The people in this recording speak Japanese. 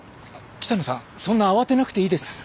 北野さんそんな慌てなくていいですから。